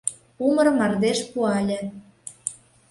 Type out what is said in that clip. Умыр мардеж пуале.